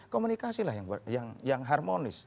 komunikasi lah yang harmonis